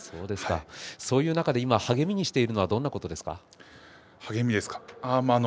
そういう中で今励みにしているのは励みですか。